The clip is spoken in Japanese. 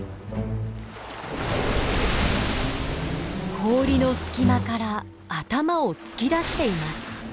氷の隙間から頭を突き出しています。